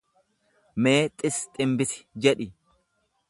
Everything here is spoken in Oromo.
Mee xis ximbisi jedhi.